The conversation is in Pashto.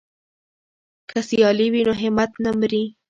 که سیالي وي نو همت نه مري.